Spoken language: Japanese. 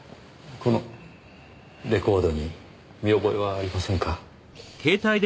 このレコードに見覚えはありませんか？